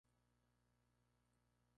Ese mismo año, se separarían.